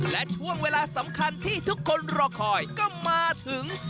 และช่วงเวลาสำคัญที่ทุกคนรอคอยก็มาถึง